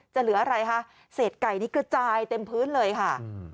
เหลืออะไรคะเศษไก่นี้กระจายเต็มพื้นเลยค่ะ